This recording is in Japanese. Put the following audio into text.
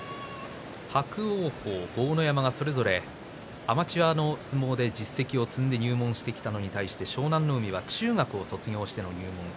伯桜鵬、豪ノ山それぞれアマチュアの相撲で実績を積んで入門してきたのに対し湘南乃海は中学を卒業して入門です。